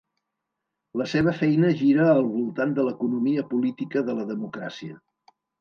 La seva feina gira al voltant de l’economia política de la democràcia.